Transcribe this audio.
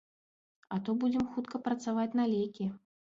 А то будзем хутка працаваць на лекі.